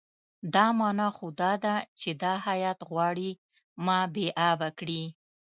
دا معنی خو دا ده چې دا هیات غواړي ما بې آبه کړي.